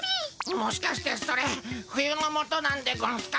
もしかしてそれフユノモトなんでゴンスか？